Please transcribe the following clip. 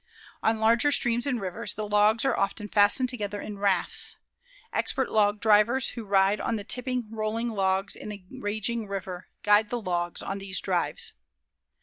On larger streams and rivers, the logs are often fastened together in rafts. Expert log drivers who ride on the tipping, rolling logs in the raging river, guide the logs on these drives.